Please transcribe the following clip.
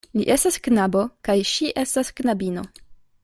Li estas knabo, kaj ŝi estas knabino.